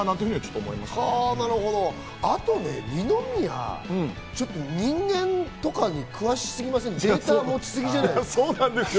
あとね、二宮、人間とかに詳しすぎません？